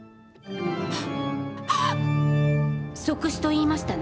即死と言いましたね？